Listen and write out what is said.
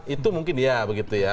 itu mungkin iya begitu ya